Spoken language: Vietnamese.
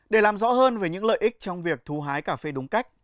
để làm rõ hơn về những lợi ích trong việc thu hái cà phê đúng cách